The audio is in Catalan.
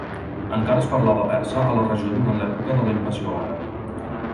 Encara es parlava persa a la regió durant l'època de la invasió àrab.